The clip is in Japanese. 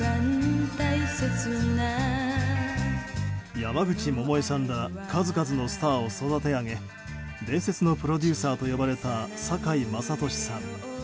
山口百恵さんら数々のスターを育て上げ伝説のプロデューサー呼ばれた酒井政利さん。